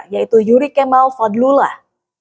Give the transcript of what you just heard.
yaitu yuri kemal fadlullah